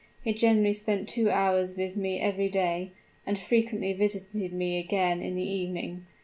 He generally spent two hours with me every day, and frequently visited me again in the evening.